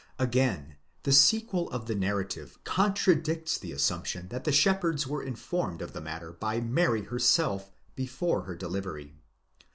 Again the sequel of the narrative contradicts the assumption that the shepherds were informed of the 'matter by Mary herself, before her delivery.